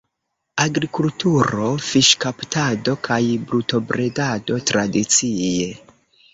Agrikulturo, fiŝkaptado kaj brutobredado tradicie.